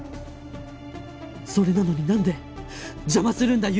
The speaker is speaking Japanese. それなのになんで邪魔するんだ？